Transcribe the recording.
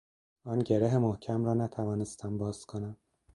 آن گره محکم را نتوانستم باز کنم